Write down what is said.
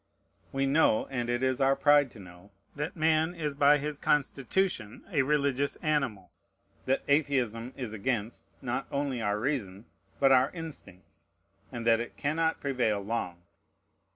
We know, and it is our pride to know, that man is by his constitution a religious animal; that atheism is against, not only our reason, but our instincts; and that it cannot prevail long.